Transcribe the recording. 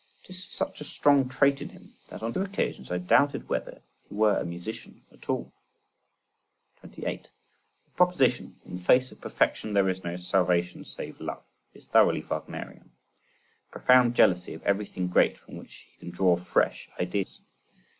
It is such a strong trait in him, that on two occasions I doubted whether he were a musician at all. 28. The proposition: "in the face of perfection there is no salvation save love,"(16) is thoroughly Wagnerian. Profound jealousy of everything great from which he can draw fresh ideas.